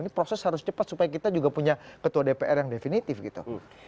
ini proses harus cepat supaya kita juga punya ketua dpr yang definitif gitu